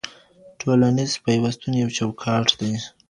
ټولنیز پیوستون یو چوکاټ دی.